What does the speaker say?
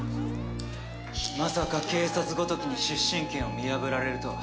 まさか警察ごときに出身県を見破られるとは。